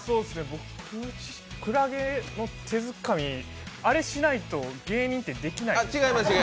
僕、くらげの手づかみ、あれしないと芸人ってできないんですか？